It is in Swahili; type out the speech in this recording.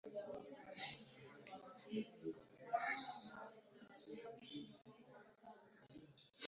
aa na afc leopards ule uwanja wa city mlikuwa mnacheza mnatetea klabu yenu kwanza